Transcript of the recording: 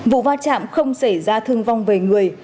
vụ va chạm không xảy ra thương vong về người